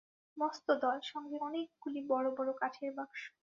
মস্ত দল, সঙ্গে অনেকগুলি বড় বড় কাঠের বাক্স।